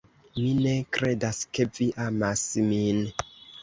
Mi ne kredas ke vi amas min.